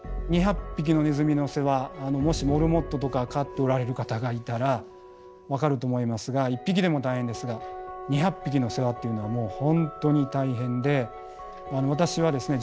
２００匹のネズミの世話もしモルモットとか飼っておられる方がいたら分かると思いますが１匹でも大変ですが２００匹の世話っていうのは本当に大変で私はですね